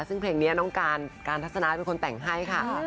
ซึ่งเพลงนี้น้องการการทัศนาเป็นคนแต่งให้ค่ะ